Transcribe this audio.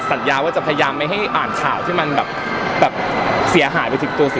สัญญาว่าจะพยายามไม่ให้อ่านข่าวที่มันแบบ